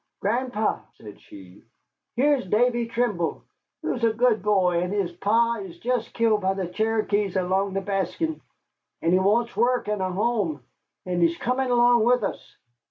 "Gran'pa," said she, "here's Davy Trimble, who's a good boy, and his pa is just killed by the Cherokees along with Baskin, and he wants work and a home, and he's comin' along with us."